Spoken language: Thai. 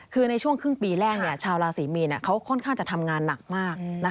คือในช่วงครึ่งปีแรกชาวราศีมีนเขาค่อนข้างจะทำงานหนักมาก